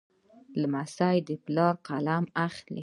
لمسی د پلار قلم اخلي.